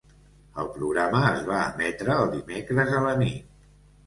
El programa es va emetre el dimecres a la nit.